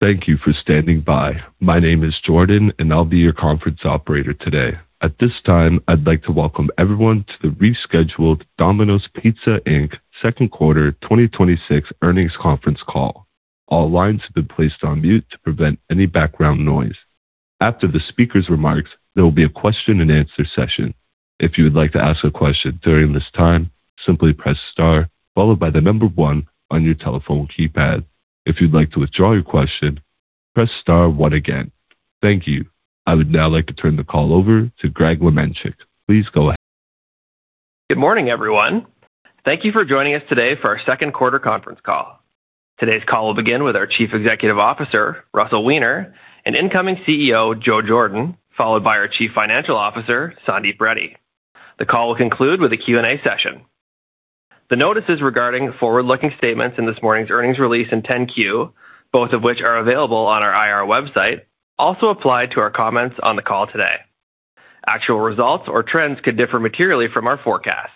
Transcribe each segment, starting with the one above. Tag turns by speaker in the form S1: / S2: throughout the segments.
S1: Thank you for standing by. My name is Jordan, and I'll be your conference operator today. At this time, I'd like to welcome everyone to the rescheduled Domino's Pizza Inc. Second quarter 2026 earnings conference call. All lines have been placed on mute to prevent any background noise. After the speaker's remarks, there will be a question-and-answer session. If you would like to ask a question during this time, simply press star, followed by the number one on your telephone keypad. If you'd like to withdraw your question, press star one again. Thank you. I would now like to turn the call over to Greg Lemenchick. Please go ahead.
S2: Good morning, everyone. Thank you for joining us today for our second quarter conference call. Today's call will begin with our Chief Executive Officer, Russell Weiner, and incoming CEO, Joe Jordan, followed by our Chief Financial Officer, Sandeep Reddy. The call will conclude with a Q and A session. The notices regarding forward-looking statements in this morning's earnings release and 10-Q, both of which are available on our IR website, also apply to our comments on the call today. Actual results or trends could differ materially from our forecasts.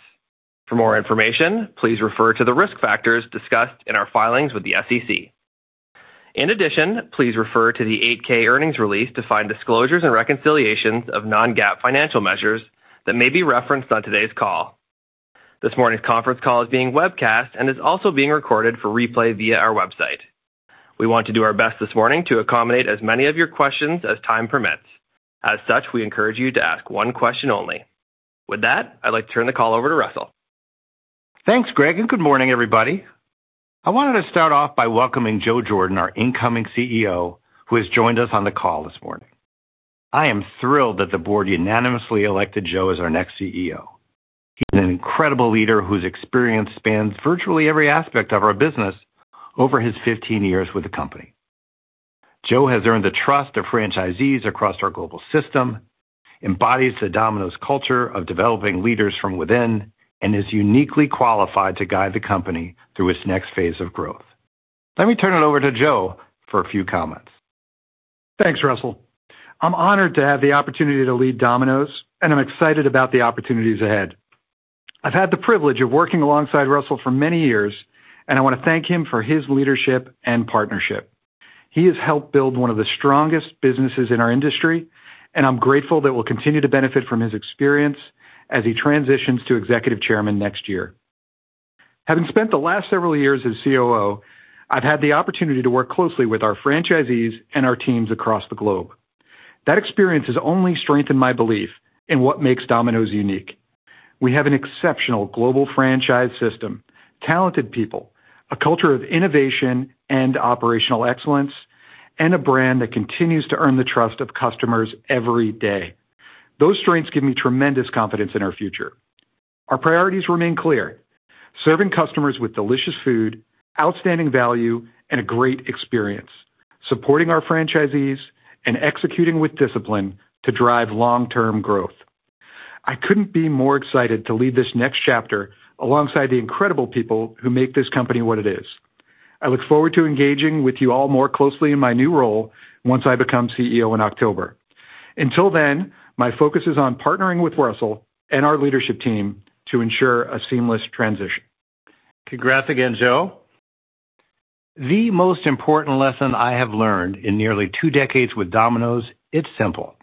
S2: For more information, please refer to the risk factors discussed in our filings with the SEC. In addition, please refer to the 8-K earnings release to find disclosures and reconciliations of non-GAAP financial measures that may be referenced on today's call. This morning's conference call is being webcast and is also being recorded for replay via our website. We want to do our best this morning to accommodate as many of your questions as time permits. As such, we encourage you to ask one question only. With that, I'd like to turn the call over to Russell.
S3: Thanks, Greg, good morning, everybody. I wanted to start off by welcoming Joe Jordan, our incoming CEO, who has joined us on the call this morning. I am thrilled that the board unanimously elected Joe as our next CEO. He's an incredible leader whose experience spans virtually every aspect of our business over his 15 years with the company. Joe has earned the trust of franchisees across our global system, embodies the Domino's culture of developing leaders from within, and is uniquely qualified to guide the company through its next phase of growth. Let me turn it over to Joe for a few comments.
S4: Thanks, Russell. I'm honored to have the opportunity to lead Domino's, and I'm excited about the opportunities ahead. I've had the privilege of working alongside Russell for many years, and I want to thank him for his leadership and partnership. He has helped build one of the strongest businesses in our industry, and I'm grateful that we'll continue to benefit from his experience as he transitions to Executive Chairman next year. Having spent the last several years as COO, I've had the opportunity to work closely with our franchisees and our teams across the globe. That experience has only strengthened my belief in what makes Domino's unique. We have an exceptional global franchise system, talented people, a culture of innovation and operational excellence, and a brand that continues to earn the trust of customers every day. Those strengths give me tremendous confidence in our future. Our priorities remain clear, serving customers with delicious food, outstanding value, and a great experience, supporting our franchisees, and executing with discipline to drive long-term growth. I couldn't be more excited to lead this next chapter alongside the incredible people who make this company what it is. I look forward to engaging with you all more closely in my new role once I become CEO in October. Until then, my focus is on partnering with Russell and our leadership team to ensure a seamless transition.
S3: Congrats again, Joe. The most important lesson I have learned in nearly two decades with Domino's, it's simple.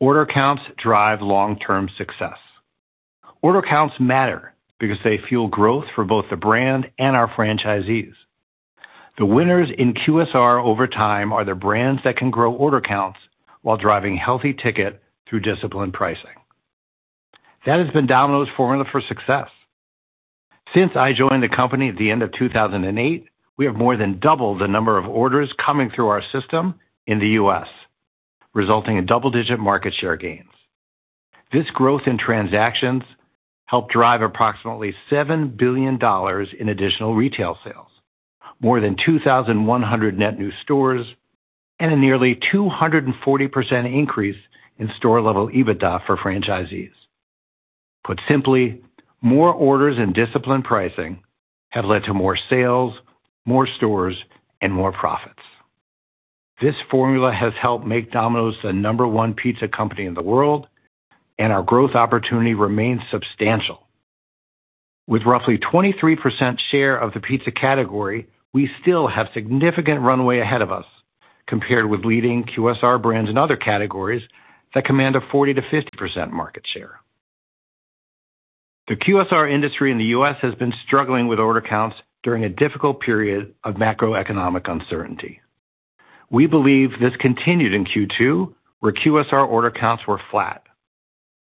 S3: Order counts drive long-term success. Order counts matter because they fuel growth for both the brand and our franchisees. The winners in QSR over time are the brands that can grow order counts while driving healthy ticket through disciplined pricing. That has been Domino's formula for success. Since I joined the company at the end of 2008, we have more than doubled the number of orders coming through our system in the U.S., resulting in double-digit market share gains. This growth in transactions helped drive approximately $7 billion in additional retail sales. More than 2,100 net new stores and a nearly 240% increase in store-level EBITDA for franchisees. Put simply, more orders and disciplined pricing have led to more sales, more stores, and more profits. This formula has helped make Domino's the number one pizza company in the world, and our growth opportunity remains substantial. With roughly 23% share of the pizza category, we still have significant runway ahead of us compared with leading QSR brands in other categories that command a 40%-50% market share. The QSR industry in the U.S. has been struggling with order counts during a difficult period of macroeconomic uncertainty. We believe this continued in Q2, where QSR order counts were flat.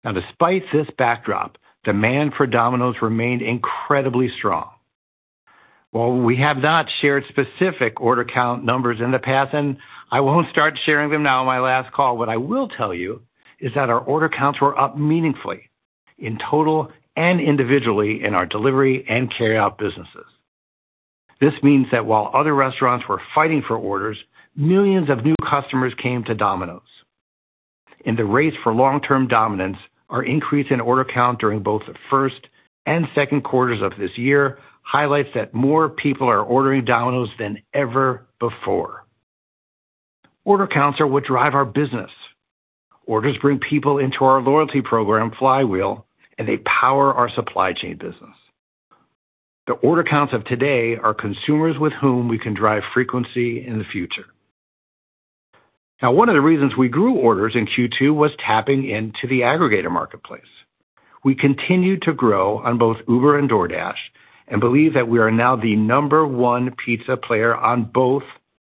S3: Despite this backdrop, demand for Domino's remained incredibly strong. While we have not shared specific order count numbers in the past, and I won't start sharing them now on my last call, what I will tell you is that our order counts were up meaningfully in total and individually in our delivery and carryout businesses. This means that while other restaurants were fighting for orders, millions of new customers came to Domino's. In the race for long-term dominance, our increase in order count during both the first and second quarters of this year highlights that more people are ordering Domino's than ever before. Order counts are what drive our business. Orders bring people into our loyalty program, Flywheel, and they power our supply chain business. The order counts of today are consumers with whom we can drive frequency in the future. One of the reasons we grew orders in Q2 was tapping into the aggregator marketplace. We continued to grow on both Uber and DoorDash and believe that we are now the number one pizza player on both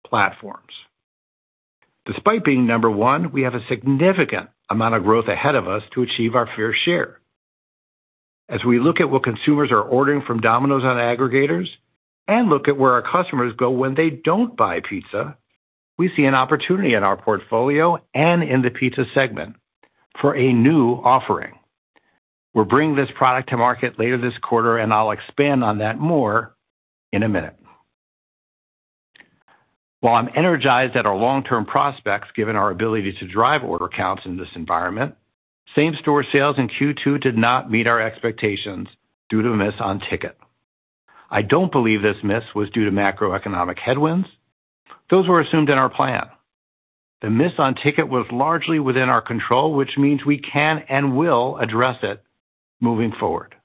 S3: platforms. Despite being number one, we have a significant amount of growth ahead of us to achieve our fair share. As we look at what consumers are ordering from Domino's on aggregators and look at where our customers go when they don't buy pizza, we see an opportunity in our portfolio and in the pizza segment for a new offering. We're bringing this product to market later this quarter, and I'll expand on that more in a minute. While I'm energized at our long-term prospects, given our ability to drive order counts in this environment, same-store sales in Q2 did not meet our expectations due to a miss on ticket. I don't believe this miss was due to macroeconomic headwinds. Those were assumed in our plan. The miss on ticket was largely within our control, which means we can and will address it moving forward.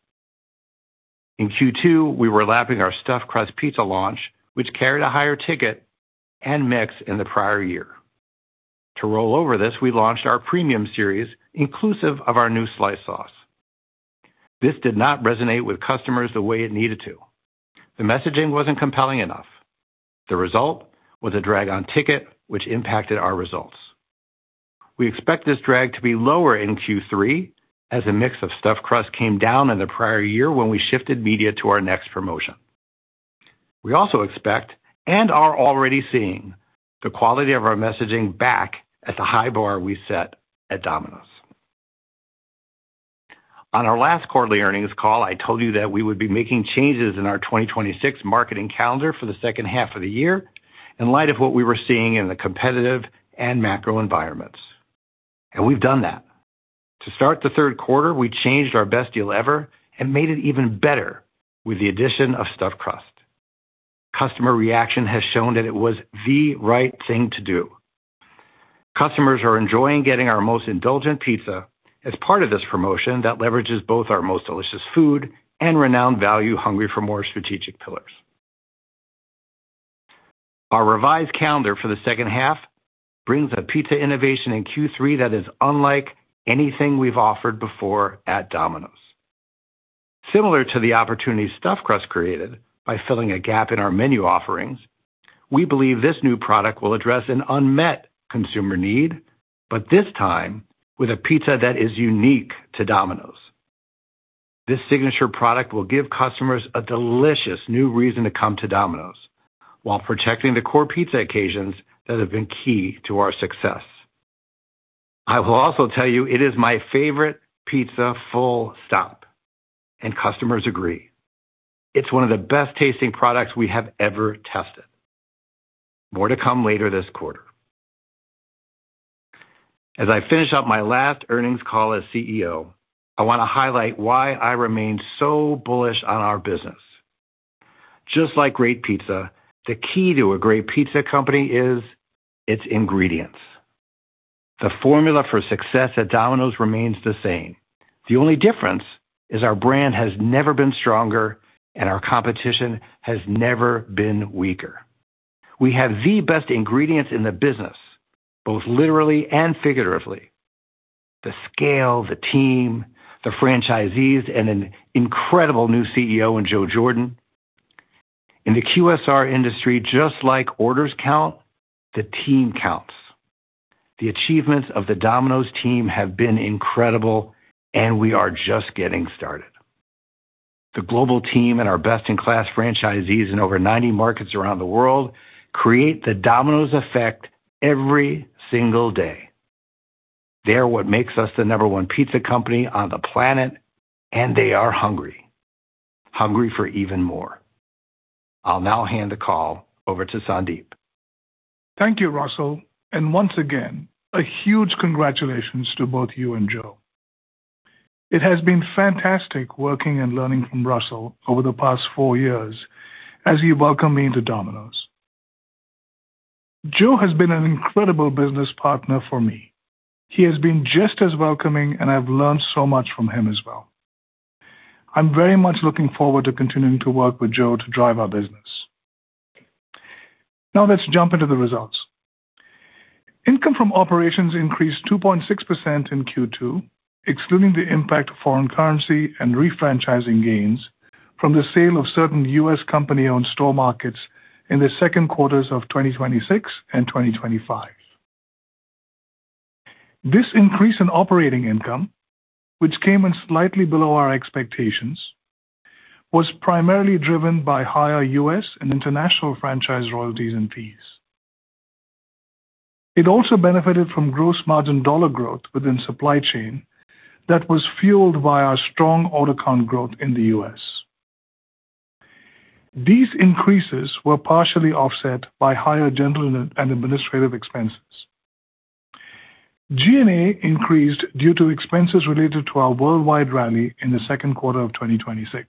S3: In Q2, we were lapping our Stuffed Crust Pizza launch, which carried a higher ticket and mix in the prior year. To roll over this, we launched our premium series, inclusive of our new Slice Sauce. This did not resonate with customers the way it needed to. The messaging wasn't compelling enough. The result was a drag on ticket, which impacted our results. We expect this drag to be lower in Q3 as a mix of Stuffed Crust came down in the prior year when we shifted media to our next promotion. We also expect, and are already seeing, the quality of our messaging back at the high bar we set at Domino's. On our last quarterly earnings call, I told you that we would be making changes in our 2026 marketing calendar for the second half of the year in light of what we were seeing in the competitive and macro environments. We've done that. To start the third quarter, we changed our Best Deal Ever and made it even better with the addition of Stuffed Crust. Customer reaction has shown that it was the right thing to do. Customers are enjoying getting our most indulgent pizza as part of this promotion that leverages both our most delicious food and renowned value Hungry for MORE strategic pillars. Our revised calendar for the second half brings a pizza innovation in Q3 that is unlike anything we've offered before at Domino's. Similar to the opportunity Stuffed Crust created by filling a gap in our menu offerings, we believe this new product will address an unmet consumer need, but this time with a pizza that is unique to Domino's. This signature product will give customers a delicious new reason to come to Domino's while protecting the core pizza occasions that have been key to our success. I will also tell you it is my favorite pizza, full stop, and customers agree. It's one of the best-tasting products we have ever tested. More to come later this quarter. As I finish up my last earnings call as CEO, I want to highlight why I remain so bullish on our business. Just like great pizza, the key to a great pizza company is its ingredients. The formula for success at Domino's remains the same. The only difference is our brand has never been stronger and our competition has never been weaker. We have the best ingredients in the business, both literally and figuratively. The scale, the team, the franchisees, and an incredible new CEO in Joe Jordan. In the QSR industry, just like orders count, the team counts. The achievements of the Domino's team have been incredible, and we are just getting started. The global team and our best-in-class franchisees in over 90 markets around the world create the Domino's effect every single day. They are what makes us the number one pizza company on the planet, and they are hungry. Hungry for even more. I'll now hand the call over to Sandeep.
S5: Thank you, Russell, and once again, a huge congratulations to both you and Joe. It has been fantastic working and learning from Russell over the past four years as he welcomed me into Domino's. Joe has been an incredible business partner for me. He has been just as welcoming, and I've learned so much from him as well. I'm very much looking forward to continuing to work with Joe to drive our business. Let's jump into the results. Income from operations increased 2.6% in Q2, excluding the impact of foreign currency and refranchising gains from the sale of certain U.S. company-owned store markets in the second quarters of 2026 and 2025. This increase in operating income, which came in slightly below our expectations, was primarily driven by higher U.S. and international franchise royalties and fees. It also benefited from gross margin dollar growth within supply chain that was fueled by our strong order count growth in the U.S. These increases were partially offset by higher general and administrative expenses. G&A increased due to expenses related to our worldwide rally in the second quarter of 2026.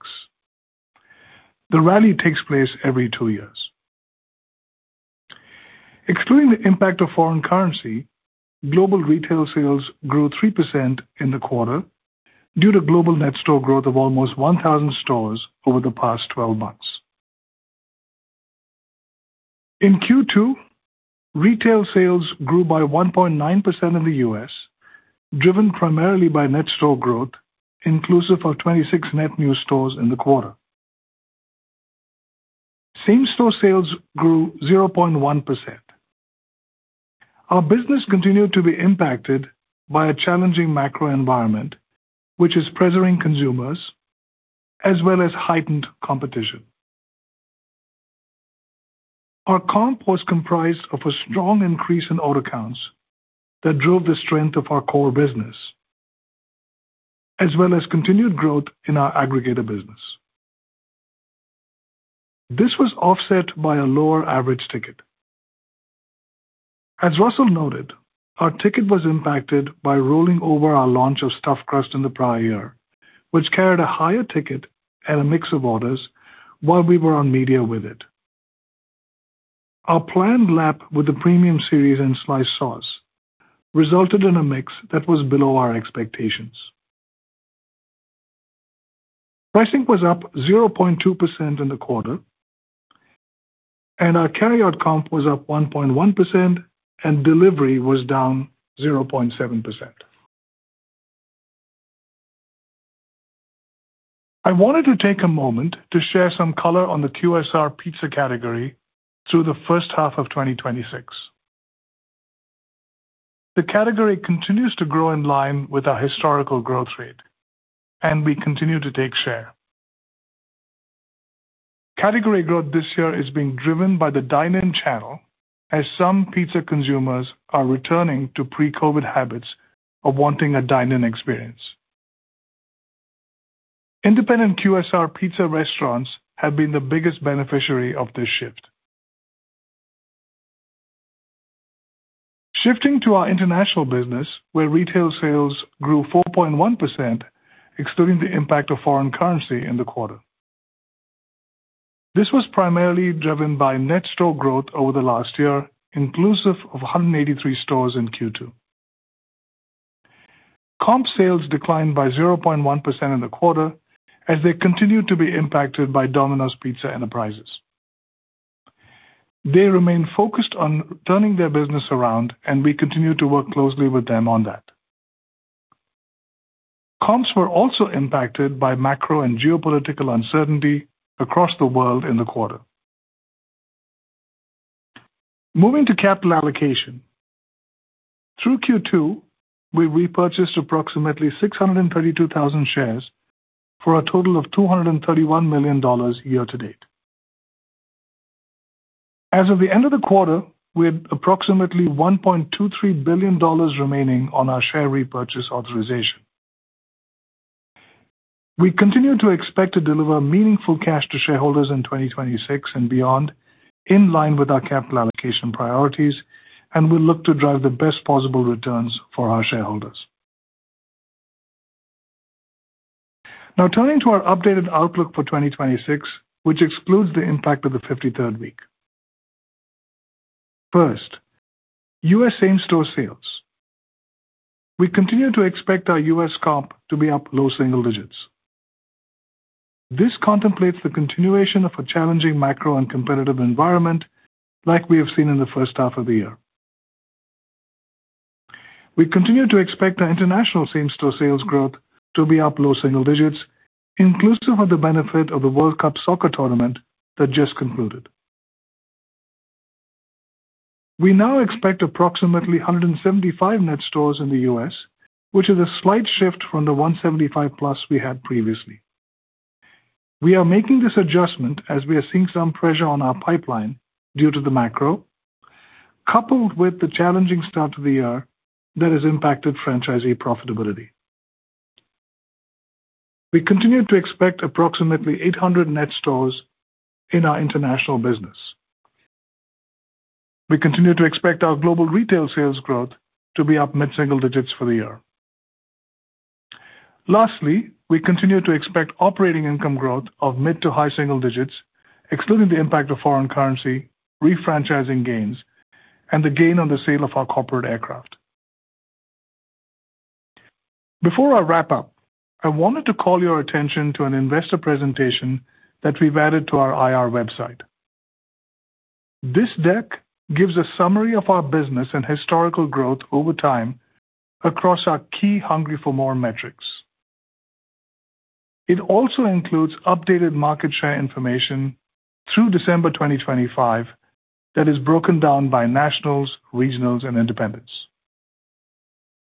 S5: The rally takes place every two years. Excluding the impact of foreign currency, global retail sales grew 3% in the quarter due to global net store growth of almost 1,000 stores over the past 12 months. In Q2, retail sales grew by 1.9% in the U.S., driven primarily by net store growth inclusive of 26 net new stores in the quarter. Same-store sales grew 0.1%. Our business continued to be impacted by a challenging macro environment, which is pressuring consumers as well as heightened competition. Our comp was comprised of a strong increase in order counts that drove the strength of our core business, as well as continued growth in our aggregator business. This was offset by a lower average ticket. As Russell noted, our ticket was impacted by rolling over our launch of Stuffed Crust in the prior year, which carried a higher ticket and a mix of orders while we were on media with it. Our planned lap with the premium series and Slice Sauce resulted in a mix that was below our expectations. Pricing was up 0.2% in the quarter. Our carryout comp was up 1.1%. Delivery was down 0.7%. I wanted to take a moment to share some color on the QSR pizza category through the first half of 2026. The category continues to grow in line with our historical growth rate, and we continue to take share. Category growth this year is being driven by the dine-in channel, as some pizza consumers are returning to pre-COVID habits of wanting a dine-in experience. Independent QSR pizza restaurants have been the biggest beneficiary of this shift. Shifting to our international business, where retail sales grew 4.1%, excluding the impact of foreign currency in the quarter. This was primarily driven by net store growth over the last year, inclusive of 183 stores in Q2. Comp sales declined by 0.1% in the quarter as they continued to be impacted by Domino's Pizza Enterprises. They remain focused on turning their business around. We continue to work closely with them on that. Comps were also impacted by macro and geopolitical uncertainty across the world in the quarter. Moving to capital allocation. Through Q2, we repurchased approximately 632,000 shares for a total of $231 million year to date. As of the end of the quarter, we had approximately $1.23 billion remaining on our share repurchase authorization. We continue to expect to deliver meaningful cash to shareholders in 2026 and beyond, in line with our capital allocation priorities. We look to drive the best possible returns for our shareholders. Now, turning to our updated outlook for 2026, which excludes the impact of the 53rd week. First, U.S. same-store sales. We continue to expect our U.S. comp to be up low single digits. This contemplates the continuation of a challenging macro and competitive environment like we have seen in the first half of the year. We continue to expect our international same-store sales growth to be up low single digits, inclusive of the benefit of the World Cup soccer tournament that just concluded. We now expect approximately 175 net stores in the U.S., which is a slight shift from the 175 plus we had previously. We are making this adjustment as we are seeing some pressure on our pipeline due to the macro, coupled with the challenging start to the year that has impacted franchisee profitability. We continue to expect approximately 800 net stores in our international business. We continue to expect our global retail sales growth to be up mid-single digits for the year. Lastly, we continue to expect operating income growth of mid to high single digits, excluding the impact of foreign currency, refranchising gains, and the gain on the sale of our corporate aircraft. Before I wrap up, I wanted to call your attention to an investor presentation that we've added to our IR website. This deck gives a summary of our business and historical growth over time across our key Hungry for MORE metrics. It also includes updated market share information through December 2025 that is broken down by nationals, regionals, and independents.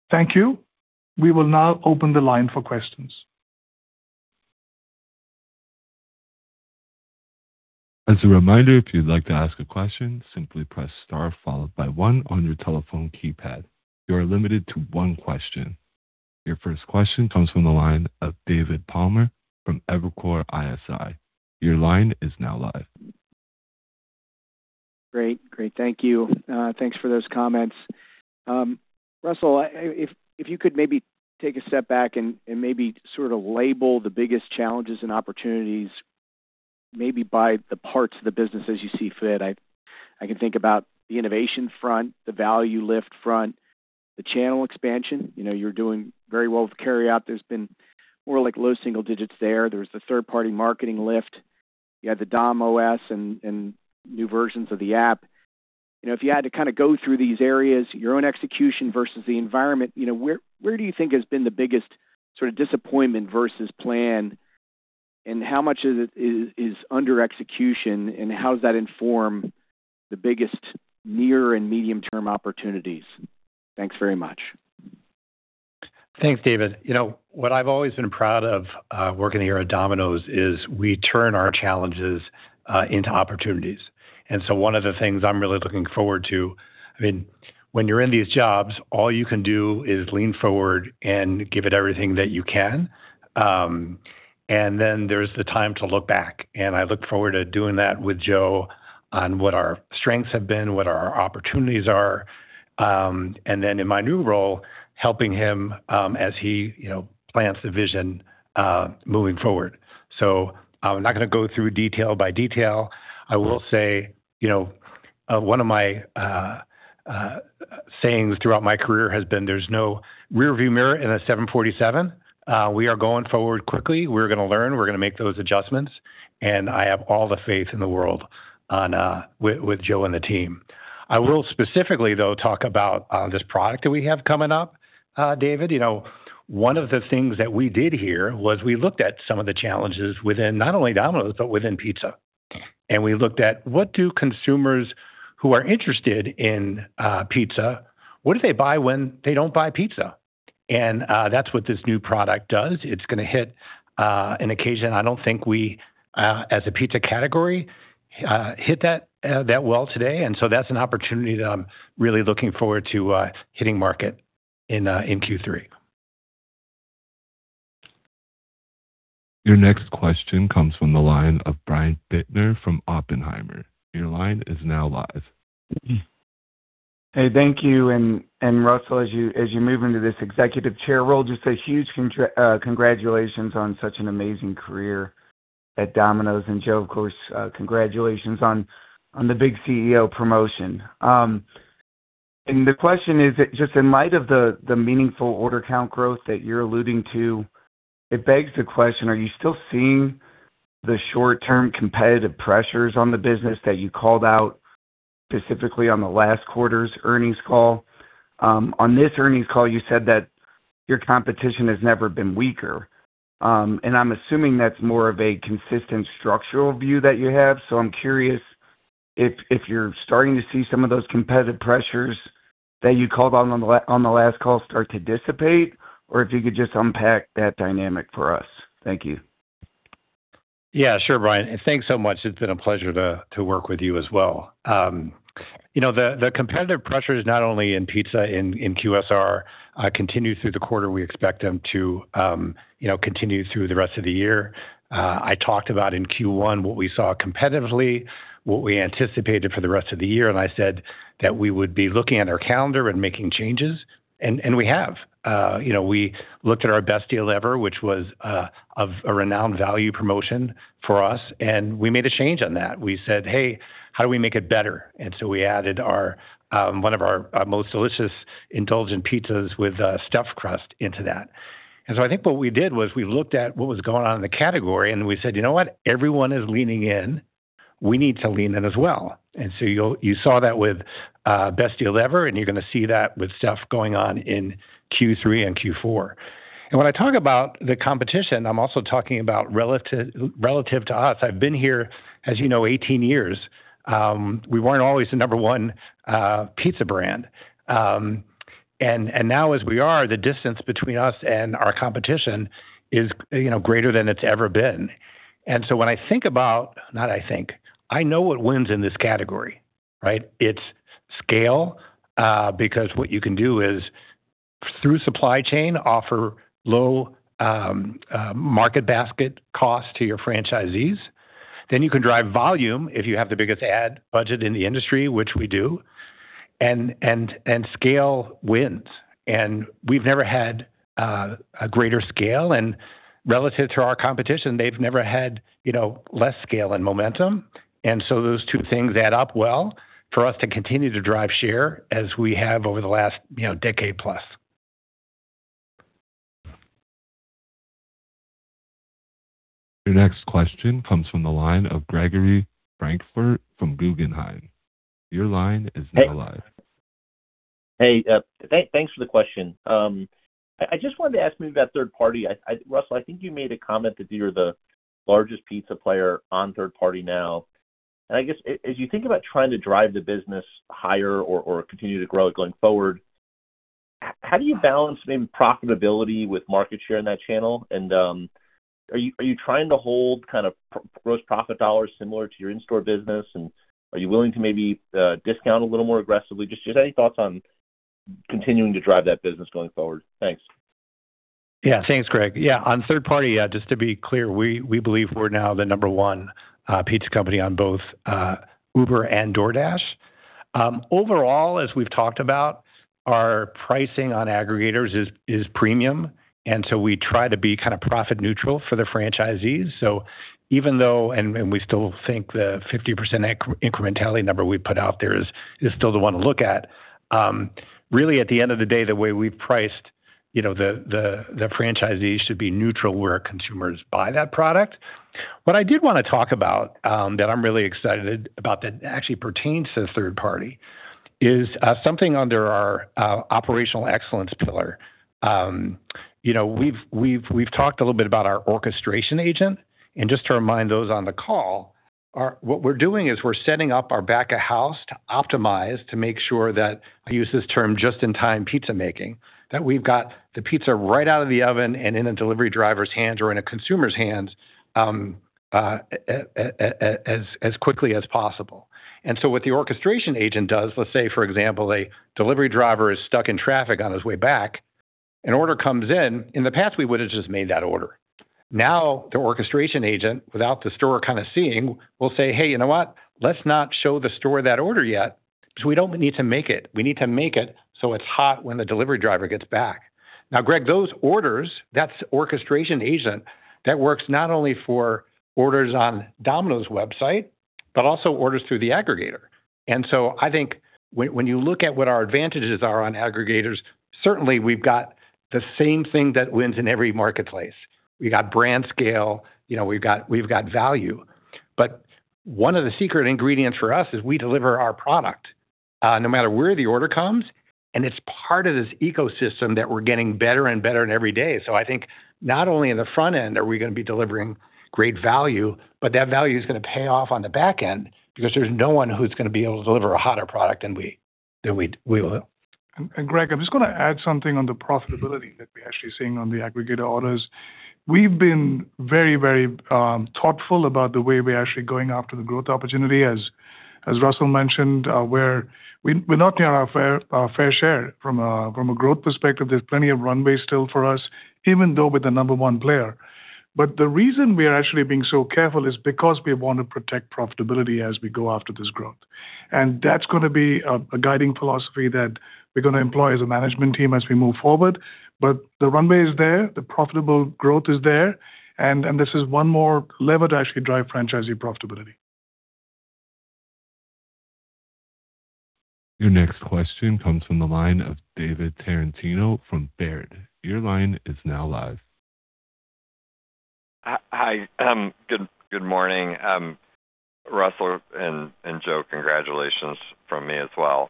S5: Thank you. We will now open the line for questions.
S1: As a reminder, if you'd like to ask a question, simply press star followed by one on your telephone keypad. You are limited to one question. Your first question comes from the line of David Palmer from Evercore ISI. Your line is now live.
S6: Great. Thank you. Thanks for those comments. Russell, if you could maybe take a step back and maybe sort of label the biggest challenges and opportunities maybe by the parts of the business as you see fit. I can think about the innovation front, the value lift front, the channel expansion. You're doing very well with carryout. There's been more low single digits there. There's the third-party marketing lift. You have the DomOS and new versions of the app. If you had to go through these areas, your own execution versus the environment, where do you think has been the biggest disappointment versus plan, and how much is under execution, and how does that inform the biggest near and medium-term opportunities? Thanks very much.
S3: Thanks, David. What I've always been proud of working here at Domino's is we turn our challenges into opportunities. One of the things I'm really looking forward to, when you're in these jobs, all you can do is lean forward and give it everything that you can. Then there's the time to look back, and I look forward to doing that with Joe on what our strengths have been, what our opportunities are. Then in my new role, helping him as he plans the vision moving forward. I'm not going to go through detail by detail. I will say, one of my sayings throughout my career has been, there's no rearview mirror in a 747. We are going forward quickly. We're going to learn, we're going to make those adjustments, and I have all the faith in the world with Joe and the team. I will specifically, though, talk about this product that we have coming up, David. One of the things that we did here was we looked at some of the challenges within not only Domino's, but within pizza. We looked at what do consumers who are interested in pizza, what do they buy when they don't buy pizza? That's what this new product does. It's going to hit an occasion I don't think we, as a pizza category, hit that well today. That's an opportunity that I'm really looking forward to hitting market in Q3.
S1: Your next question comes from the line of Brian Bittner from Oppenheimer. Your line is now live.
S7: Hey, thank you, and Russell, as you move into this executive chair role, just a huge congratulations on such an amazing career at Domino's. Joe, of course, congratulations on the big CEO promotion. The question is, just in light of the meaningful order count growth that you're alluding to, it begs the question, are you still seeing the short-term competitive pressures on the business that you called out specifically on the last quarter's earnings call? On this earnings call, you said that your competition has never been weaker. I'm assuming that's more of a consistent structural view that you have. I'm curious if you're starting to see some of those competitive pressures that you called on the last call start to dissipate, or if you could just unpack that dynamic for us. Thank you.
S3: Yeah, sure, Brian. Thanks so much. It's been a pleasure to work with you as well. The competitive pressures, not only in pizza, in QSR, continue through the quarter. We expect them to continue through the rest of the year. I talked about in Q1 what we saw competitively, what we anticipated for the rest of the year, and I said that we would be looking at our calendar and making changes, and we have. We looked at our Best Deal Ever, which was of a renowned value promotion for us, and we made a change on that. We said, "Hey, how do we make it better?" We added one of our most delicious, indulgent pizzas with Stuffed Crust into that. I think what we did was we looked at what was going on in the category, and we said, "You know what? Everyone is leaning in. We need to lean in as well." You saw that with Best Deal Ever, and you're going to see that with stuff going on in Q3 and Q4. When I talk about the competition, I'm also talking about relative to us. I've been here, as you know, 18 years. We weren't always the number one pizza brand. Now as we are, the distance between us and our competition is greater than it's ever been. When I think about, I know what wins in this category. Right? It's scale, because what you can do is, through supply chain, offer low market basket cost to your franchisees. You can drive volume if you have the biggest ad budget in the industry, which we do. Scale wins. We've never had a greater scale, and relative to our competition, they've never had less scale and momentum. Those two things add up well for us to continue to drive share as we have over the last decade plus.
S1: Your next question comes from the line of Gregory Francfort from Guggenheim. Your line is now live.
S8: Hey, thanks for the question. I just wanted to ask maybe about third party. Russell, I think you made a comment that you're the largest pizza player on third party now. I guess, as you think about trying to drive the business higher or continue to grow it going forward, how do you balance profitability with market share in that channel? Are you trying to hold gross profit dollars similar to your in-store business, and are you willing to maybe discount a little more aggressively? Just any thoughts on continuing to drive that business going forward. Thanks.
S3: Thanks, Gregory. On third party, just to be clear, we believe we're now the number one pizza company on both Uber and DoorDash. Overall, as we've talked about, our pricing on aggregators is premium, we try to be profit neutral for the franchisees. We still think the 50% incrementality number we put out there is still the one to look at. Really, at the end of the day, the way we've priced the franchisees to be neutral where our consumers buy that product. What I did want to talk about, that I'm really excited about, that actually pertains to the third party, is something under our operational excellence pillar. We've talked a little bit about our orchestration agent, and just to remind those on the call, what we're doing is we're setting up our back of house to optimize, to make sure that, I use this term just-in-time pizza making, that we've got the pizza right out of the oven and in a delivery driver's hands or in a consumer's hands as quickly as possible. What the orchestration agent does, let's say, for example, a delivery driver is stuck in traffic on his way back, an order comes in. In the past, we would've just made that order. Now, the orchestration agent, without the store seeing, will say, "Hey, you know what? Let's not show the store that order yet, because we don't need to make it. We need to make it so it's hot when the delivery driver gets back." Now, Gregory, those orders, that orchestration agent, that works not only for orders on Domino's website, but also orders through the aggregator. I think when you look at what our advantages are on aggregators, certainly we've got the same thing that wins in every marketplace. We got brand scale, we've got value. One of the secret ingredients for us is we deliver our product, no matter where the order comes, and it's part of this ecosystem that we're getting better and better in every day. I think not only in the front end are we going to be delivering great value, but that value is going to pay off on the back end because there's no one who's going to be able to deliver a hotter product than we will.
S5: Gregory, I'm just going to add something on the profitability that we're actually seeing on the aggregator orders. We've been very, very thoughtful about the way we're actually going after the growth opportunity. As Russell mentioned, we're not near our fair share from a growth perspective. There's plenty of runway still for us, even though we're the number one player. The reason we are actually being so careful is because we want to protect profitability as we go after this growth. That's going to be a guiding philosophy that we're going to employ as a management team as we move forward. The runway is there, the profitable growth is there, and this is one more lever to actually drive franchisee profitability.
S1: Your next question comes from the line of David Tarantino from Baird. Your line is now live.
S9: Hi. Good morning. Russell and Joe, congratulations from me as well.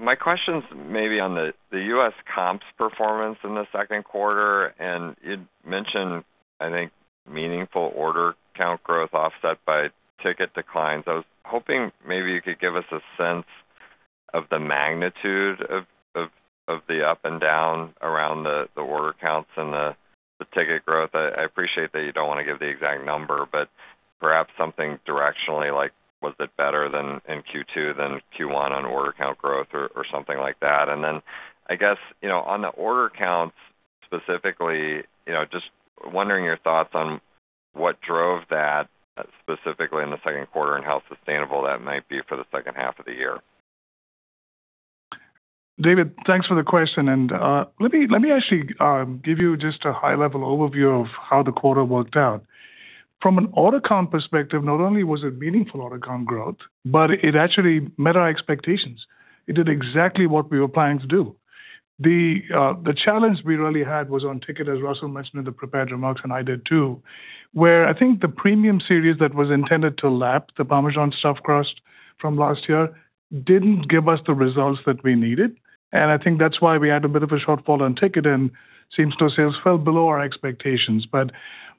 S9: My question's maybe on the U.S. comps performance in the second quarter, you'd mentioned, I think, meaningful order count growth offset by ticket declines. I was hoping maybe you could give us a sense of the magnitude of the up and down around the order counts and the ticket growth. I appreciate that you don't want to give the exact number, but perhaps something directionally, like was it better in Q2 than Q1 on order count growth or something like that. Then, I guess, on the order counts specifically, just wondering your thoughts on what drove that specifically in the second quarter and how sustainable that might be for the second half of the year.
S5: David, thanks for the question. Let me actually give you just a high-level overview of how the quarter worked out. From an order count perspective, not only was it meaningful order count growth, it actually met our expectations. It did exactly what we were planning to do. The challenge we really had was on ticket, as Russell mentioned in the prepared remarks, and I did too, where I think the premium series that was intended to lap the Parmesan Stuffed Crust from last year didn't give us the results that we needed. I think that's why we had a bit of a shortfall on ticket and same-store sales fell below our expectations.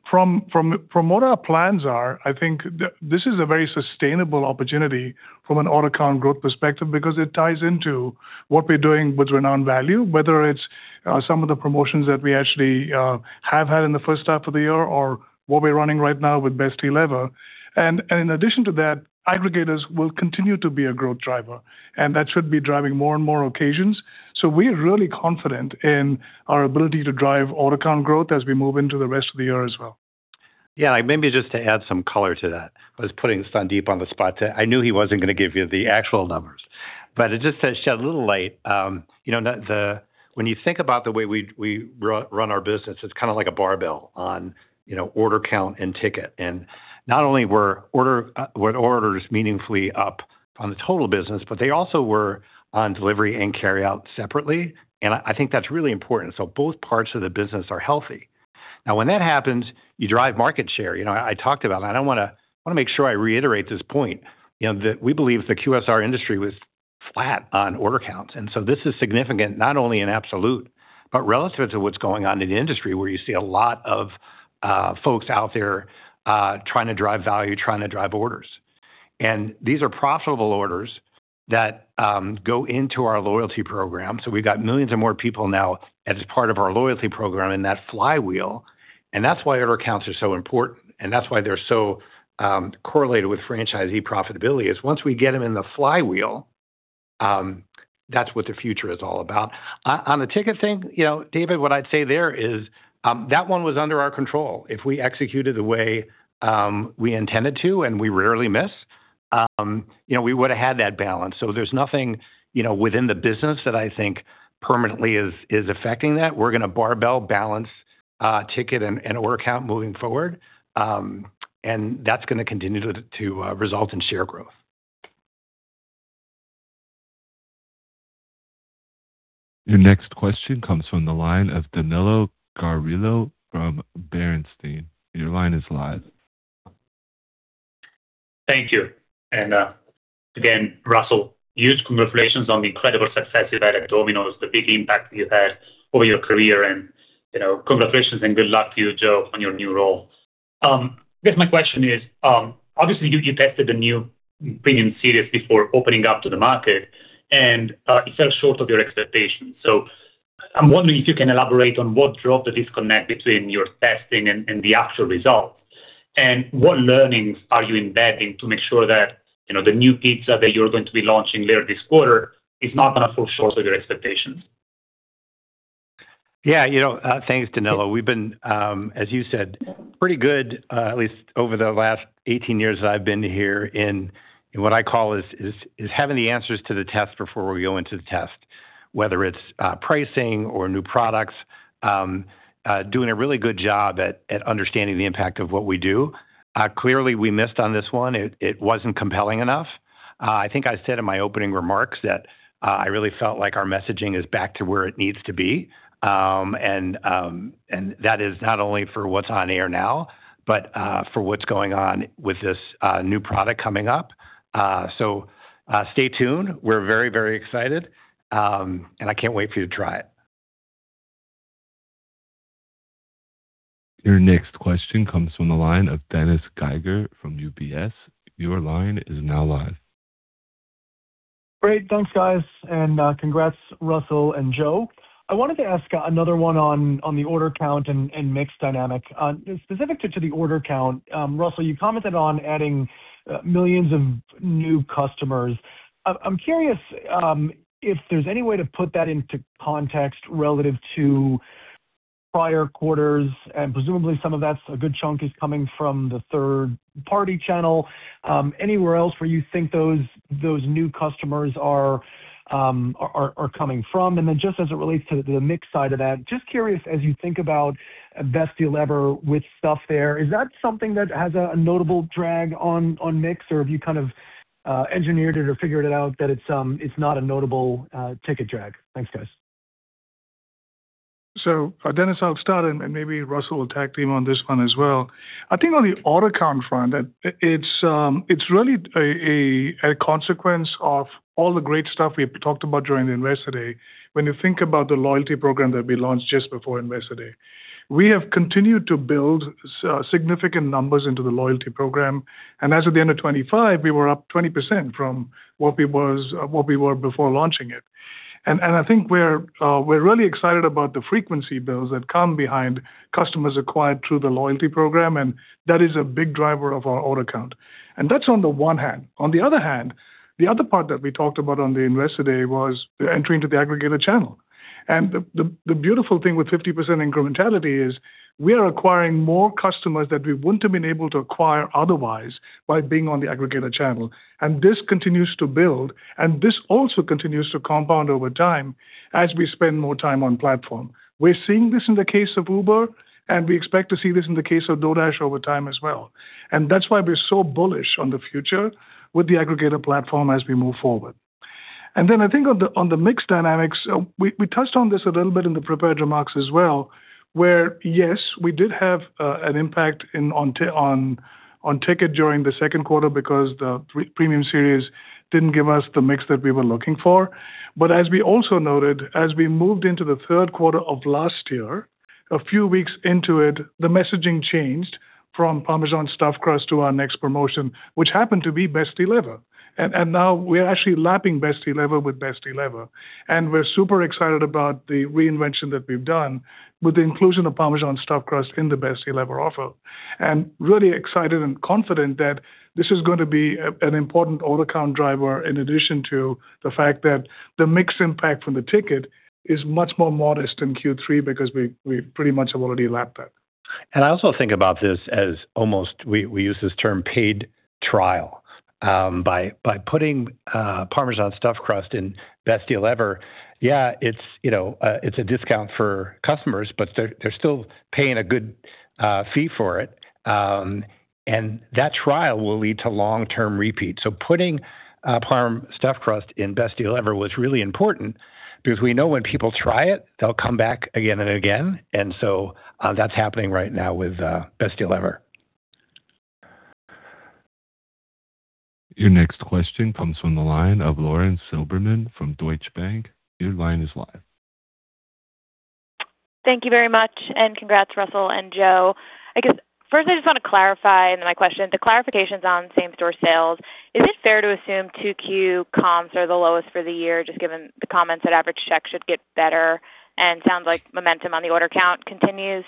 S5: From what our plans are, I think this is a very sustainable opportunity from an order count growth perspective because it ties into what we're doing with renowned value, whether it's some of the promotions that we actually have had in the first half of the year or what we're running right now with Best Deal Ever. In addition to that, aggregators will continue to be a growth driver, and that should be driving more and more occasions. We're really confident in our ability to drive order count growth as we move into the rest of the year as well.
S3: Yeah. Maybe just to add some color to that. I was putting Sandeep on the spot. I knew he wasn't going to give you the actual numbers. It just to shed a little light. When you think about the way we run our business, it's like a barbell on order count and ticket. Not only were orders meaningfully up on the total business, but they also were on delivery and carry out separately. I think that's really important. Both parts of the business are healthy. Now, when that happens, you drive market share. I talked about that. I want to make sure I reiterate this point, that we believe the QSR industry was flat on order counts. This is significant, not only in absolute, but relative to what's going on in the industry, where you see a lot of folks out there trying to drive value, trying to drive orders. These are profitable orders that go into our loyalty program. We've got millions of more people now as part of our loyalty program in that flywheel, and that's why order counts are so important. That's why they're so correlated with franchisee profitability, is once we get them in the flywheel. That's what the future is all about. On the ticket thing, David, what I'd say there is, that one was under our control. If we executed the way we intended to, and we rarely miss, we would've had that balance. There's nothing within the business that I think permanently is affecting that. We're going to barbell balance ticket and order count moving forward. That's going to continue to result in share growth.
S1: Your next question comes from the line of Danilo Gargiulo from Bernstein. Your line is live.
S10: Thank you. Russell, huge congratulations on the incredible success you've had at Domino's, the big impact you've had over your career and, congratulations and good luck to you, Joe, on your new role. I guess my question is, obviously you tested the new premium series before opening up to the market and it fell short of your expectations. I'm wondering if you can elaborate on what drove the disconnect between your testing and the actual result, and what learnings are you embedding to make sure that the new pizza that you're going to be launching later this quarter is not going to fall short of your expectations?
S3: Thanks, Danilo. We've been, as you said, pretty good, at least over the last 18 years that I've been here in what I call is having the answers to the test before we go into the test. Whether it's pricing or new products, doing a really good job at understanding the impact of what we do. Clearly we missed on this one. It wasn't compelling enough. I think I said in my opening remarks that I really felt like our messaging is back to where it needs to be. That is not only for what's on air now, but for what's going on with this new product coming up. Stay tuned. We're very excited. I can't wait for you to try it.
S1: Your next question comes from the line of Dennis Geiger from UBS. Your line is now live.
S11: Great. Thanks guys, and congrats, Russell and Joe. I wanted to ask another one on the order count and mix dynamic. Specific to the order count, Russell, you commented on adding millions of new customers. I'm curious if there's any way to put that into context relative to prior quarters, and presumably some of that, a good chunk, is coming from the third-party channel. Anywhere else where you think those new customers are coming from? Then just as it relates to the mix side of that, just curious as you think about Best Deal Ever with stuff there, is that something that has a notable drag on mix, or have you engineered it or figured it out that it's not a notable ticket drag? Thanks, guys.
S5: Dennis, I'll start and maybe Russell will tag team on this one as well. I think on the order count front, it's really a consequence of all the great stuff we talked about during the Investor Day. When you think about the loyalty program that we launched just before Investor Day, we have continued to build significant numbers into the loyalty program, and as of the end of 2025, we were up 20% from what we were before launching it. I think we're really excited about the frequency builds that come behind customers acquired through the loyalty program. That is a big driver of our order count. That's on the one hand. On the other hand, the other part that we talked about on the Investor Day was the entry into the aggregator channel. The beautiful thing with 50% incrementality is we are acquiring more customers that we wouldn't have been able to acquire otherwise by being on the aggregator channel. This continues to build and this also continues to compound over time as we spend more time on platform. We're seeing this in the case of Uber, and we expect to see this in the case of DoorDash over time as well. That's why we're so bullish on the future with the aggregator platform as we move forward. I think on the mix dynamics, we touched on this a little bit in the prepared remarks as well, where yes, we did have an impact on ticket during the second quarter because the premium series didn't give us the mix that we were looking for. As we also noted, as we moved into the third quarter of last year, a few weeks into it, the messaging changed from Parmesan Stuffed Crust to our next promotion, which happened to be Best Deal Ever. Now we are actually lapping Best Deal Ever with Best Deal Ever. We're super excited about the reinvention that we've done with the inclusion of Parmesan Stuffed Crust in the Best Deal Ever offer. Really excited and confident that this is going to be an important order count driver in addition to the fact that the mix impact from the ticket is much more modest in Q3 because we pretty much have already lapped that.
S3: I also think about this as almost, we use this term paid trial. By putting Parmesan Stuffed Crust in Best Deal Ever, yeah, it's a discount for customers, but they're still paying a good fee for it. That trial will lead to long-term repeat. Putting Parmesan Stuffed Crust in Best Deal Ever was really important because we know when people try it, they'll come back again and again. That's happening right now with Best Deal Ever.
S1: Your next question comes from the line of Lauren Silberman from Deutsche Bank. Your line is live.
S12: Thank you very much. Congrats Russell and Joe. First, I just want to clarify, then my question. The clarification is on same-store sales. Is it fair to assume Q2 comps are the lowest for the year, just given the comments that average check should get better and sounds like momentum on the order count continues?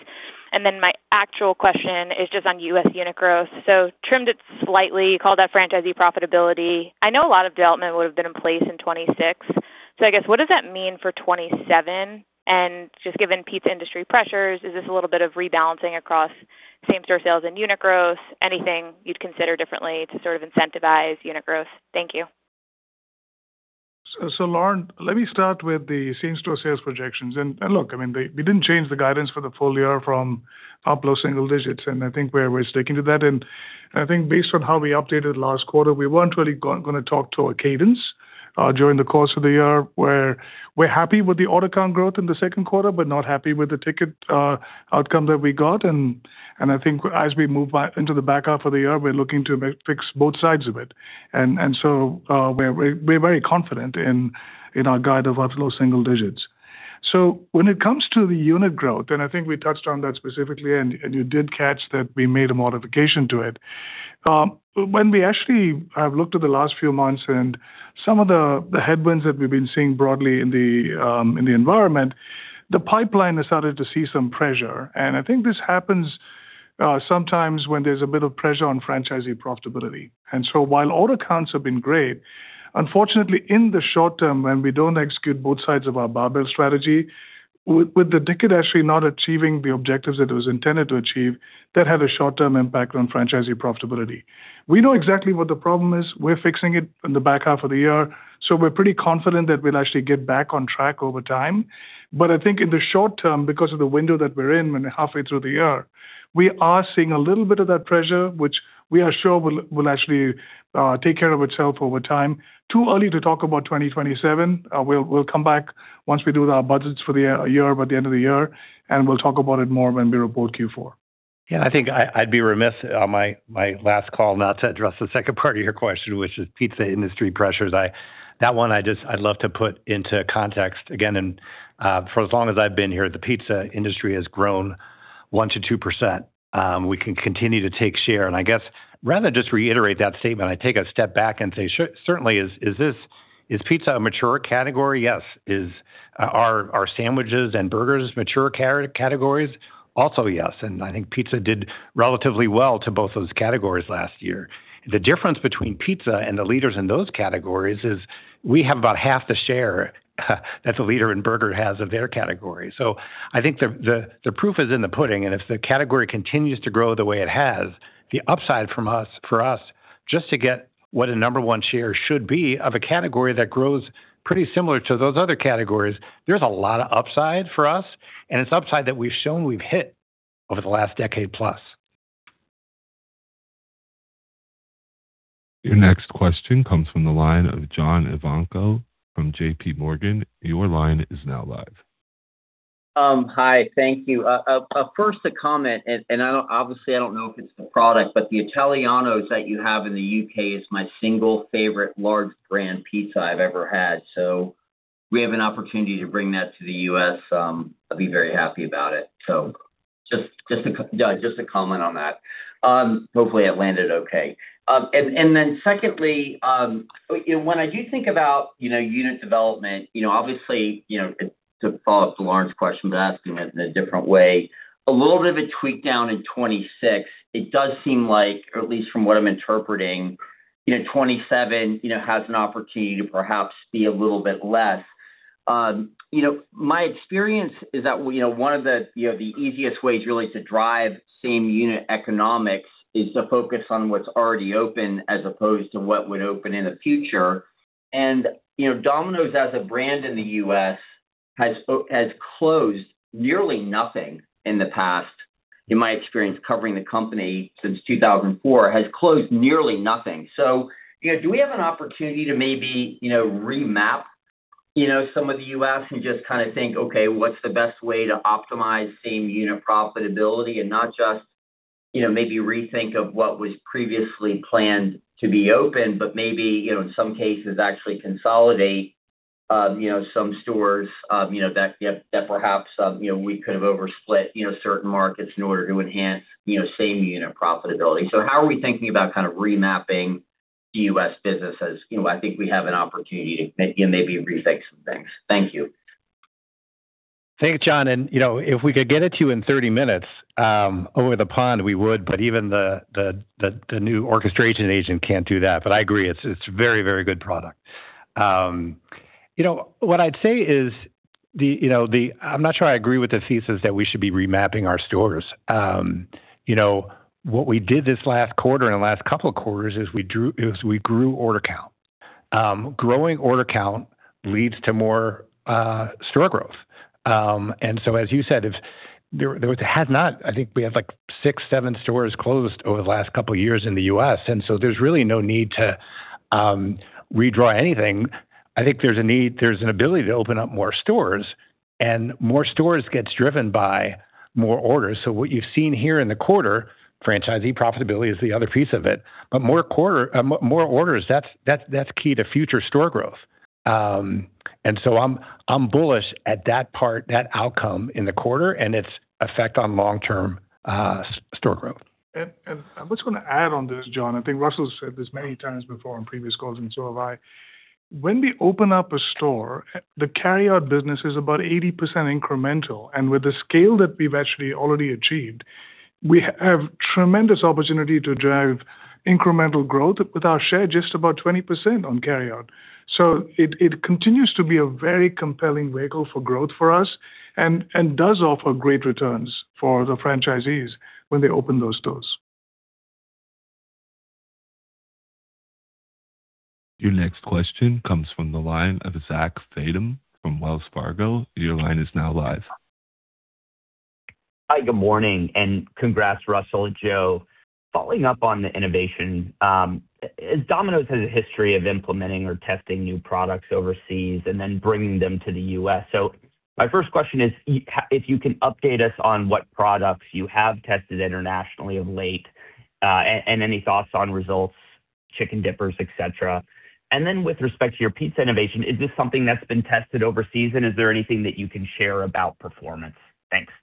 S12: My actual question is just on U.S. unit growth. Trimmed it slightly, called out franchisee profitability. I know a lot of development would have been in place in 2026. I guess, what does that mean for 2027? Just given pizza industry pressures, is this a little bit of rebalancing across same-store sales and unit growth? Anything you would consider differently to incentivize unit growth? Thank you.
S5: Lauren, let me start with the same-store sales projections. Look, we did not change the guidance for the full year from up low single digits, and I think we are sticking to that. I think based on how we updated last quarter, we were not really going to talk to a cadence during the course of the year, where we are happy with the order count growth in the second quarter, but not happy with the ticket outcome that we got. I think as we move into the back half of the year, we are looking to fix both sides of it. We are very confident in our guide of upper low single digits. When it comes to the unit growth, I think we touched on that specifically, and you did catch that we made a modification to it. When we actually have looked at the last few months and some of the headwinds that we have been seeing broadly in the environment, the pipeline has started to see some pressure. I think this happens sometimes when there is a bit of pressure on franchisee profitability. While order counts have been great, unfortunately in the short term, when we do not execute both sides of our barbell strategy, with the ticket actually not achieving the objectives that it was intended to achieve, that had a short-term impact on franchisee profitability. We know exactly what the problem is. We are fixing it in the back half of the year, so we are pretty confident that we will actually get back on track over time. I think in the short term, because of the window that we're in, we're halfway through the year, we are seeing a little bit of that pressure, which we are sure will actually take care of itself over time. Too early to talk about 2027. We'll come back once we do our budgets for the year by the end of the year, we'll talk about it more when we report Q4.
S3: I think I'd be remiss on my last call not to address the second part of your question, which is pizza industry pressures. That one I'd love to put into context again. For as long as I've been here, the pizza industry has grown 1% to 2%. We can continue to take share. I guess rather than just reiterate that statement, I take a step back and say, certainly, is pizza a mature category? Yes. Are sandwiches and burgers mature categories? Also yes. I think pizza did relatively well to both those categories last year. The difference between pizza and the leaders in those categories is we have about half the share that the leader in burger has of their category. I think the proof is in the pudding, if the category continues to grow the way it has, the upside for us, just to get what a number one share should be of a category that grows pretty similar to those other categories, there's a lot of upside for us, it's upside that we've shown we've hit over the last decade plus.
S1: Your next question comes from the line of John Ivankoe from JPMorgan. Your line is now live.
S13: Hi, thank you. First, a comment, and obviously, I don't know if it's the product, but the Italiano's that you have in the U.K. is my single favorite large brand pizza I've ever had. If we have an opportunity to bring that to the U.S., I'll be very happy about it. Just a comment on that. Hopefully, it landed okay. Secondly, when I do think about unit development, obviously, to follow up to Lauren's question, but asking it in a different way, a little bit of a tweak down in 2026. It does seem like, or at least from what I'm interpreting, 2027 has an opportunity to perhaps be a little bit less. My experience is that one of the easiest ways really to drive same unit economics is to focus on what's already open as opposed to what would open in the future. Domino's as a brand in the U.S., has closed nearly nothing in the past. In my experience, covering the company since 2004, has closed nearly nothing. Do we have an opportunity to maybe remap some of the U.S. and just think, okay, what's the best way to optimize same unit profitability and not just maybe rethink of what was previously planned to be open, but maybe, in some cases, actually consolidate some stores that perhaps we could have oversplit certain markets in order to enhance same unit profitability. How are we thinking about remapping the U.S. business as I think we have an opportunity to maybe rethink some things. Thank you.
S3: Thank you, John. If we could get it to you in 30 minutes over the pond, we would, but even the new orchestration agent can't do that. I agree, it's a very, very good product. What I'd say is, I'm not sure I agree with the thesis that we should be remapping our stores. What we did this last quarter and the last couple of quarters is we grew order count. Growing order count leads to more store growth. As you said, there was had not, I think we have six, seven stores closed over the last couple of years in the U.S., and there's really no need to redraw anything. I think there's an ability to open up more stores, and more stores gets driven by more orders. What you've seen here in the quarter, franchisee profitability is the other piece of it, but more orders, that's key to future store growth. I'm bullish at that part, that outcome in the quarter and its effect on long-term store growth.
S5: I'm just going to add on to this, John. I think Russell's said this many times before on previous calls, and so have I. When we open up a store, the carryout business is about 80% incremental. With the scale that we've actually already achieved, we have tremendous opportunity to drive incremental growth with our share just about 20% on carryout. It continues to be a very compelling vehicle for growth for us and does offer great returns for the franchisees when they open those stores.
S1: Your next question comes from the line of Zach Fadem from Wells Fargo. Your line is now live.
S14: Hi, good morning, congrats, Russell, Joe. Following up on the innovation, as Domino's has a history of implementing or testing new products overseas and then bringing them to the U.S. My first question is if you can update us on what products you have tested internationally of late, and any thoughts on results, chicken dippers, et cetera. Then with respect to your pizza innovation, is this something that's been tested overseas, and is there anything that you can share about performance? Thanks.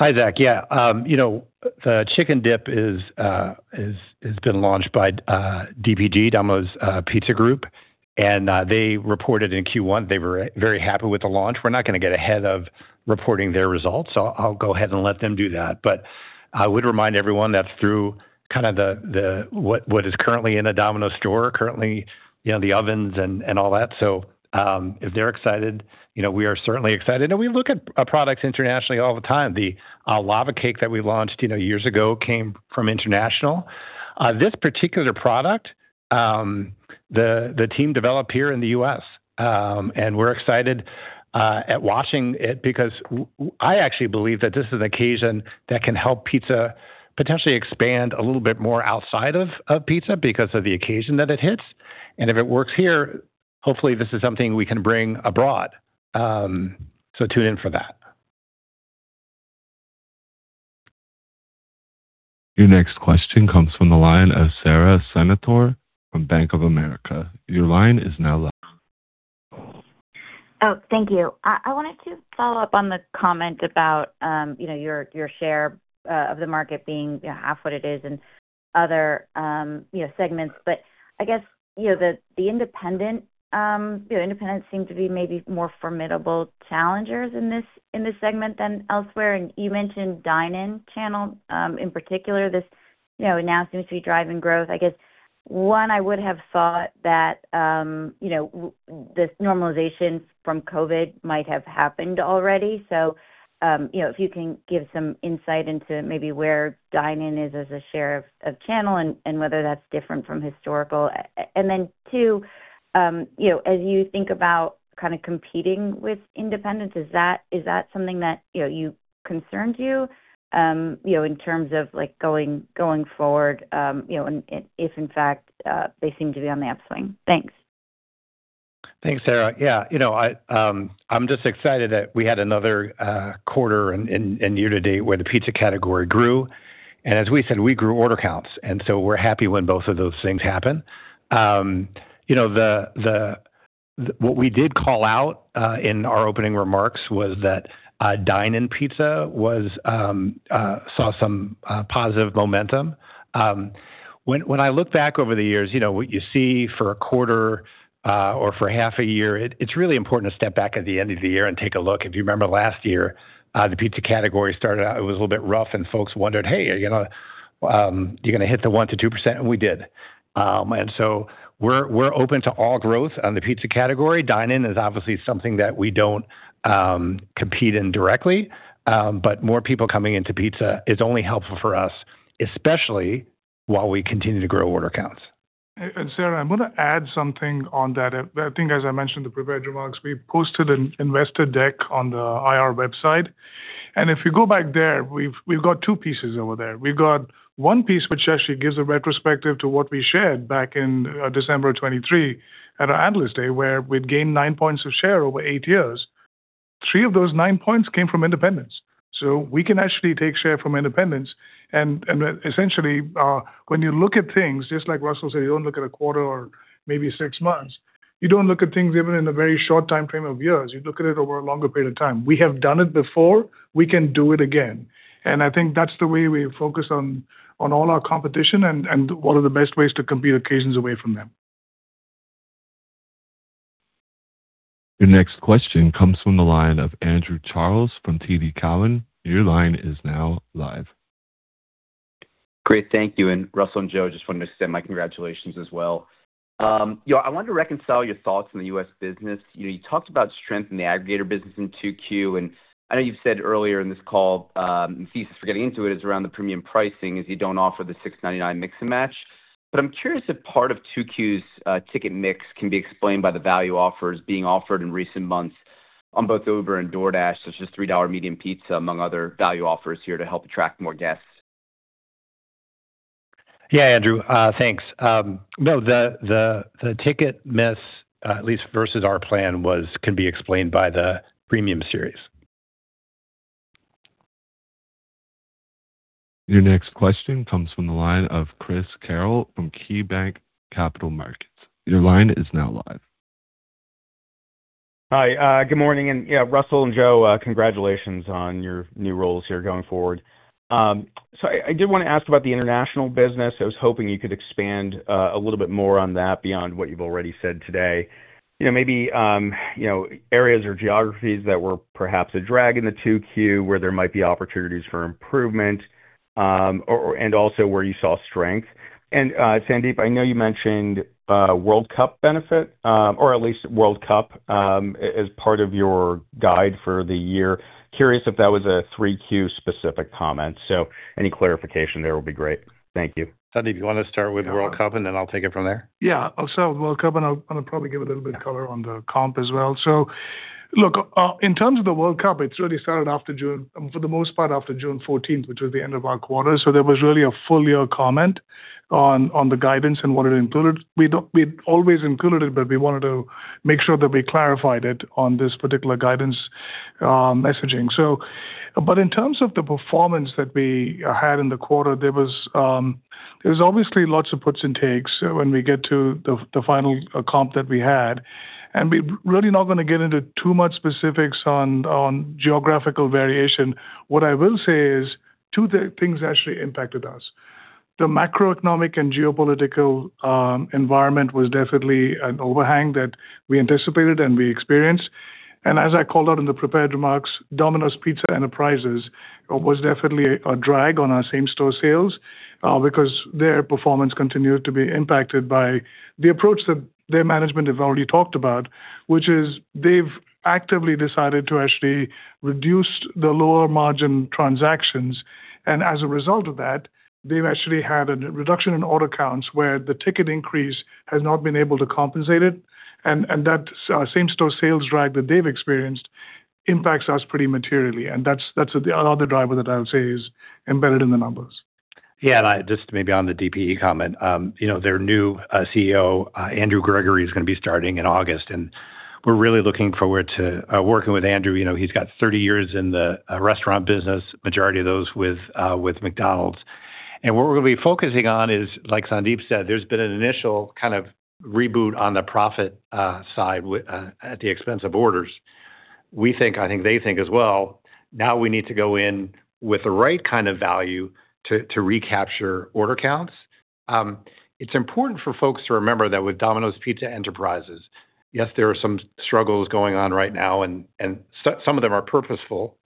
S3: Hi, Zach. Yeah. The CHICK 'N' DIP has been launched by DPG, Domino's Pizza Group, they reported in Q1 they were very happy with the launch. We're not going to get ahead of reporting their results. I'll go ahead and let them do that. I would remind everyone that through what is currently in a Domino's store currently, the ovens and all that. If they're excited, we are certainly excited. We look at products internationally all the time. The lava cake that we launched years ago came from international. This particular product, the team developed here in the U.S. We're excited at watching it because I actually believe that this is an occasion that can help pizza potentially expand a little bit more outside of pizza because of the occasion that it hits. If it works here, hopefully this is something we can bring abroad. Tune in for that.
S1: Your next question comes from the line of Sara Senatore from Bank of America. Your line is now live.
S15: Oh, thank you. I wanted to follow up on the comment about your share of the market being half what it is and other segments. I guess, the independents seem to be maybe more formidable challengers in this segment than elsewhere. You mentioned dine-in channel, in particular, this now seems to be driving growth. I guess, one, I would have thought that this normalization from COVID might have happened already. If you can give some insight into maybe where dine-in is as a share of channel and whether that's different from historical. Then two, as you think about competing with independents, is that something that concerns you, in terms of going forward, and if in fact, they seem to be on the upswing? Thanks.
S3: Thanks, Sara. Yeah. I'm just excited that we had another quarter and year to date where the pizza category grew. As we said, we grew order counts, and so we're happy when both of those things happen. What we did call out in our opening remarks was that dine-in pizza saw some positive momentum. When I look back over the years, what you see for a quarter or for half a year, it's really important to step back at the end of the year and take a look. If you remember last year, the pizza category started out, it was a little bit rough and folks wondered, "Hey, you going to hit the 1% to 2%?" We did. We're open to all growth on the pizza category. Dine-in is obviously something that we don't compete in directly. More people coming into pizza is only helpful for us, especially while we continue to grow order counts.
S5: Sara, I want to add something on that. I think as I mentioned in the prepared remarks, we posted an investor deck on the IR website. If you go back there, we've got two pieces over there. We've got one piece which actually gives a retrospective to what we shared back in December 2023 at our Analyst Day, where we'd gained 9 points of share over eight years. Three of those nine points came from independents. We can actually take share from independents. Essentially, when you look at things, just like Russell said, you don't look at a quarter or maybe six months. You don't look at things even in a very short timeframe of years. You look at it over a longer period of time. We have done it before. We can do it again. I think that's the way we focus on all our competition and what are the best ways to compete occasions away from them.
S1: Your next question comes from the line of Andrew Charles from TD Cowen. Your line is now live.
S16: Great. Thank you. Russell and Joe, just wanted to extend my congratulations as well. I wanted to reconcile your thoughts on the U.S. business. You talked about strength in the aggregator business in Q2, and I know you've said earlier in this call, the thesis for getting into it is around the premium pricing as you don't offer the $6.99 mix and match. I'm curious if part of Q2's ticket mix can be explained by the value offers being offered in recent months on both Uber and DoorDash, such as $3 medium pizza, among other value offers here to help attract more guests.
S3: Yeah, Andrew. Thanks. The ticket miss, at least versus our plan was, can be explained by the premium series.
S1: Your next question comes from the line of Chris Carril from KeyBanc Capital Markets. Your line is now live.
S17: Hi. Good morning. Russell and Joe, congratulations on your new roles here going forward. I did want to ask about the international business. I was hoping you could expand a little bit more on that beyond what you've already said today. Maybe areas or geographies that were perhaps a drag in the Q2, where there might be opportunities for improvement, and also where you saw strength. Sandeep, I know you mentioned World Cup benefit, or at least World Cup, as part of your guide for the year. Curious if that was a Q3 specific comment. Any clarification there will be great. Thank you.
S3: Sandeep, you want to start with World Cup and then I'll take it from there?
S5: I'll start with World Cup, and I'll probably give a little bit of color on the comp as well. Look, in terms of the World Cup, it's really started, for the most part, after June 14th, which was the end of our quarter. There was really a full year comment on the guidance and what it included. We'd always included it, but we wanted to make sure that we clarified it on this particular guidance messaging. In terms of the performance that we had in the quarter, there was obviously lots of puts and takes when we get to the final comp that we had. We're really not going to get into too much specifics on geographical variation. What I will say is two things actually impacted us. The macroeconomic and geopolitical environment was definitely an overhang that we anticipated and we experienced. As I called out in the prepared remarks, Domino's Pizza Enterprises was definitely a drag on our same-store sales because their performance continued to be impacted by the approach that their management have already talked about, which is they've actively decided to actually reduce the lower margin transactions. As a result of that, they've actually had a reduction in order counts where the ticket increase has not been able to compensate it. That same-store sales drag that they've experienced impacts us pretty materially. That's the other driver that I would say is embedded in the numbers.
S3: Just maybe on the DPE comment. Their new CEO, Andrew Gregory, is going to be starting in August, we're really looking forward to working with Andrew. He's got 30 years in the restaurant business, majority of those with McDonald's. What we're going to be focusing on is, like Sandeep said, there's been an initial kind of reboot on the profit side at the expense of orders. We think, I think they think as well, now we need to go in with the right kind of value to recapture order counts. It's important for folks to remember that with Domino's Pizza Enterprises, yes, there are some struggles going on right now and some of them are purposeful,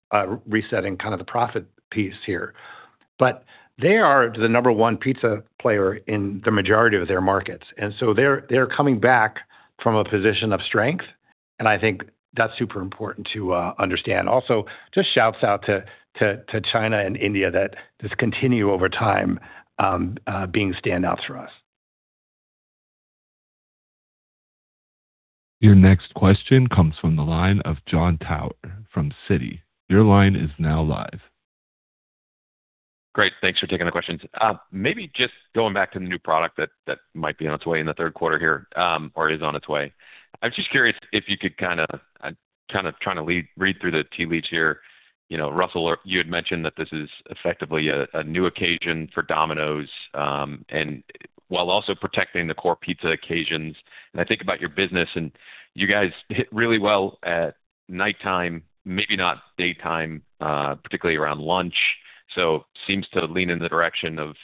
S3: resetting kind of the profit piece here. They are the number one pizza player in the majority of their markets. They're coming back from a position of strength, and I think that's super important to understand. Also, just shouts out to China and India that just continue over time being standouts for us.
S1: Your next question comes from the line of Jon Tower from Citi. Your line is now live.
S18: Great. Thanks for taking the questions. Maybe just going back to the new product that might be on its way in the third quarter here, or is on its way. I was just curious if you could kind of, trying to read through the tea leaves here. Russell, you had mentioned that this is effectively a new occasion for Domino's, and while also protecting the core pizza occasions. I think about your business and you guys hit really well at nighttime, maybe not daytime, particularly around lunch. Seems to lean in the direction of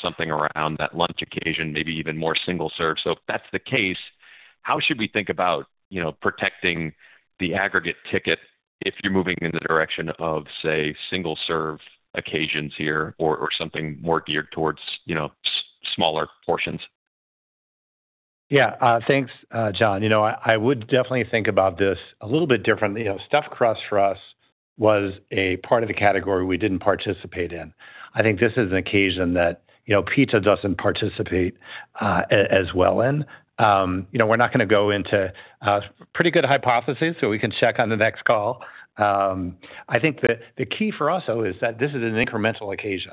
S18: something around that lunch occasion, maybe even more single-serve. If that's the case, how should we think about protecting the aggregate ticket if you're moving in the direction of, say, single-serve occasions here or something more geared towards smaller portions?
S3: Yeah. Thanks, Jon. I would definitely think about this a little bit differently. Stuffed Crust for us was a part of the category we didn't participate in. I think this is an occasion that pizza doesn't participate as well in. We're not going to go into pretty good hypotheses, so we can check on the next call. I think that the key for us, though, is that this is an incremental occasion.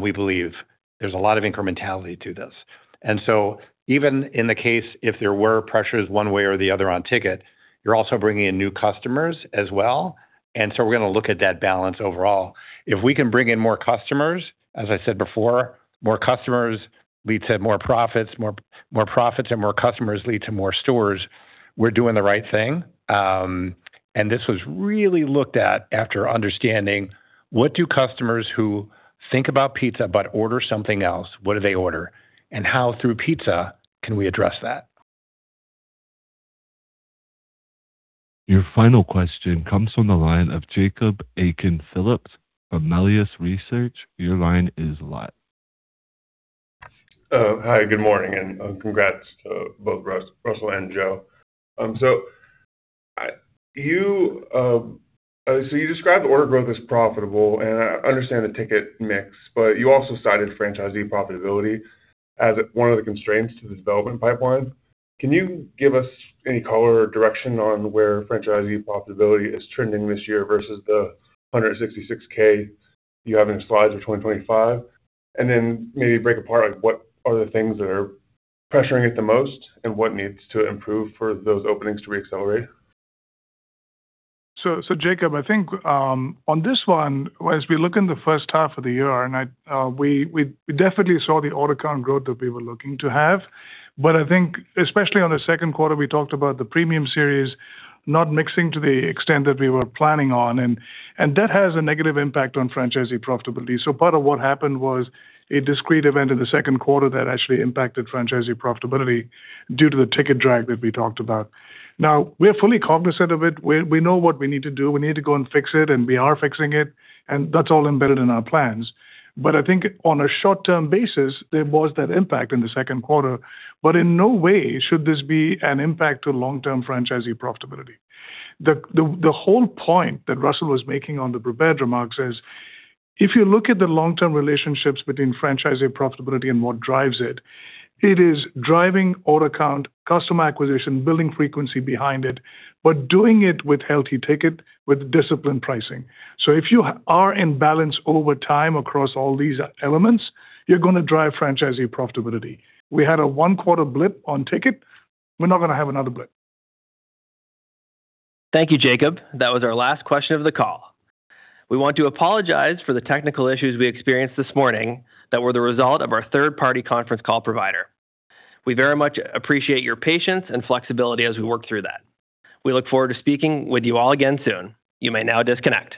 S3: We believe there's a lot of incrementality to this. Even in the case, if there were pressures one way or the other on ticket, you're also bringing in new customers as well. We're going to look at that balance overall. If we can bring in more customers, as I said before, more customers leads to more profits, more profits and more customers lead to more stores. We're doing the right thing. This was really looked at after understanding what do customers who think about pizza but order something else, what do they order? How through pizza can we address that?
S1: Your final question comes from the line of Jacob Aiken-Phillips from Melius Research. Your line is live.
S19: Hi, good morning, and congrats to both Russell and Joe. You described order growth as profitable, and I understand the ticket mix, you also cited franchisee profitability as one of the constraints to the development pipeline. Can you give us any color or direction on where franchisee profitability is trending this year versus the $166,000 you have in your slides for 2025? Then maybe break apart what are the things that are pressuring it the most and what needs to improve for those openings to re-accelerate?
S5: Jacob, I think on this one, as we look in the first half of the year, we definitely saw the order count growth that we were looking to have. I think, especially on the second quarter, we talked about the premium series not mixing to the extent that we were planning on. That has a negative impact on franchisee profitability. Part of what happened was a discrete event in the second quarter that actually impacted franchisee profitability due to the ticket drag that we talked about. Now, we're fully cognizant of it. We know what we need to do. We need to go and fix it, and we are fixing it, and that's all embedded in our plans. I think on a short-term basis, there was that impact in the second quarter. In no way should this be an impact to long-term franchisee profitability. The whole point that Russell was making on the prepared remarks is, if you look at the long-term relationships between franchisee profitability and what drives it is driving order count, customer acquisition, building frequency behind it. Doing it with healthy ticket, with disciplined pricing. If you are in balance over time across all these elements, you're going to drive franchisee profitability. We had a one-quarter blip on ticket. We're not going to have another blip.
S2: Thank you, Jacob. That was our last question of the call. We want to apologize for the technical issues we experienced this morning that were the result of our third-party conference call provider. We very much appreciate your patience and flexibility as we work through that. We look forward to speaking with you all again soon. You may now disconnect.